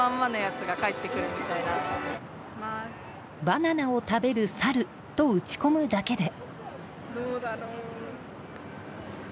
バナナを食べるサルと打ち込むだけで。